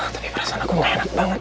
tapi perasaan aku gak enak banget